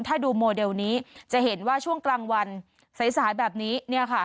ถ้าดูโมเดลนี้จะเห็นว่าช่วงกลางวันสายแบบนี้เนี่ยค่ะ